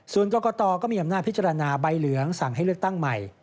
ส่วนกรกตก็มีอำนาจพิจารณาใบเหลืองสั่งให้เลือกตั้งใหม่